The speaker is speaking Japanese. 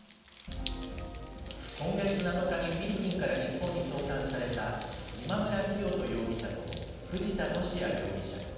今月７日にフィリピンから日本に送還された今村磨人容疑者と藤田聖也容疑者。